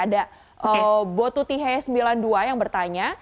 ada botutihe sembilan puluh dua yang bertanya